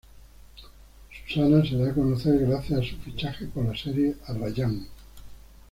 Susana se da a conocer gracias a su fichaje por la serie "Arrayán".